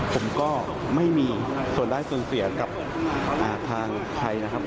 ผมก็ไม่มีส่วนได้ส่วนเสียกับทางใครนะครับ